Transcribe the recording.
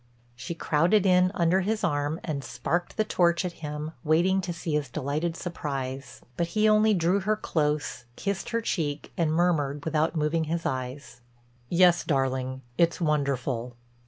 She crowded in under his arm and sparked the torch at him waiting to see his delighted surprise. But he only drew her close, kissed her cheek and murmured without moving his eyes: "Yes, darling. It's wonderful."